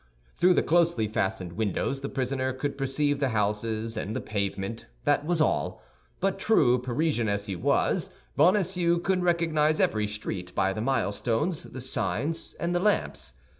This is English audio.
Through the closely fastened windows the prisoner could perceive the houses and the pavement, that was all; but, true Parisian as he was, Bonacieux could recognize every street by the milestones, the signs, and the lamps.